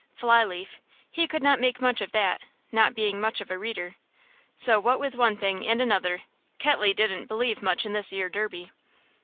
Fly leaf, he could not make much of that not being much of a reader. So what with one thing and another Ketley didn't believe much in this 'ere Derby.